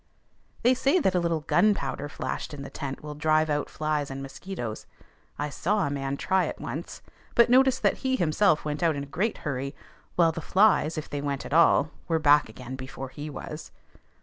They say that a little gunpowder flashed in the tent will drive out flies and mosquitoes. I saw a man try it once, but noticed that he himself went out in a great hurry, while the flies, if they went at all, were back again before he was.